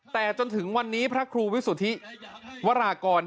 แต่จนถึงวันนี้พระครูวิสุทธิวรากร